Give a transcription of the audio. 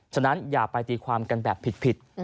ฉะนั้นอย่าไปตีความกันแบบผิด